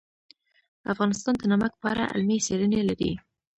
افغانستان د نمک په اړه علمي څېړنې لري.